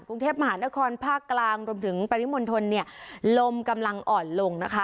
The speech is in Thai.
กรุงเทพมหานครภาคกลางรวมถึงปริมณฑลเนี่ยลมกำลังอ่อนลงนะคะ